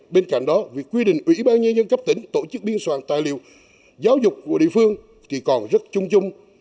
bên cạnh đó việc quy định ủy ban nhân dân cấp tỉnh tổ chức biên soạn tài liệu giáo dục của địa phương thì còn rất chung chung